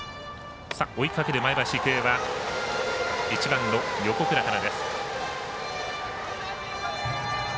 追いかける前橋育英は１番の横倉からです。